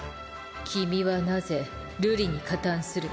君はなぜ瑠璃に加担する？